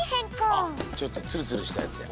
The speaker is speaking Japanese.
あっちょっとつるつるしたやつや。